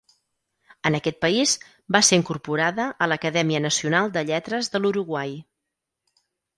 En aquest país va ser incorporada a l'Acadèmia Nacional de Lletres de l'Uruguai.